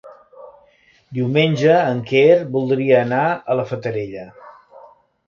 Diumenge en Quer voldria anar a la Fatarella.